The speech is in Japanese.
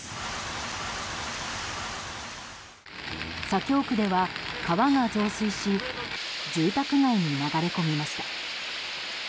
左京区では、川が増水し住宅街に流れ込みました。